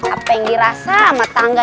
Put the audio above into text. apa yang dirasa sama tangga